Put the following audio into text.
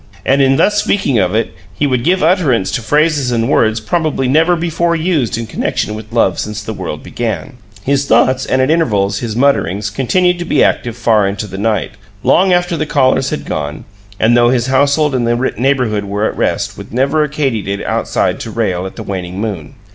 And in thus speaking of it, he would give utterance to phrases and words probably never before used in connection with love since the world began. His thoughts, and, at intervals, his mutterings, continued to be active far into the night, long after the callers had gone, and though his household and the neighborhood were at rest, with never a katydid outside to rail at the waning moon.